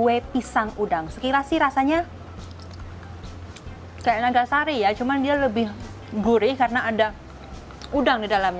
kue pisang udang sekiranya sih rasanya kayak nagasari ya cuma dia lebih gurih karena ada udang di dalamnya